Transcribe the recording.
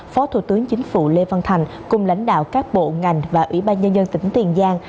phó thủ tướng chính phủ lê văn thành cùng lãnh đạo các bộ ngành và ủy ban nhân dân tỉnh tiền giang